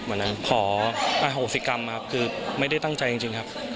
ขอโศกรรมครับคือไม่ได้ตั้งใจจริงครับ